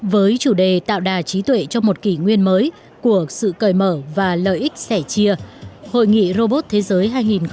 với chủ đề tạo đà trí tuệ cho một kỷ nguyên mới của sự cởi mở và lợi ích sẻ chia hội nghị robot thế giới hai nghìn hai mươi